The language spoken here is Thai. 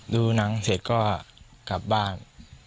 ดูหนังเสร็จก็กลับบ้าน